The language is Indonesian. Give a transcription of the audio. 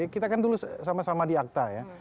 kita kan dulu sama sama di akta ya